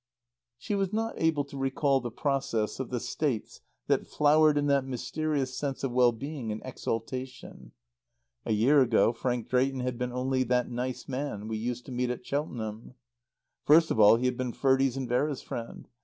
She was not able to recall the process of the states that flowered in that mysterious sense of well being and exaltation. A year ago Frank Drayton had been only "that nice man we used to meet at Cheltenham." First of all he had been Ferdie's and Vera's friend.